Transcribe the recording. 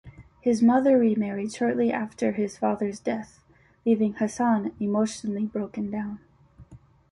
His mother remarried shortly after his father's death leaving Hassan emotionally broken down.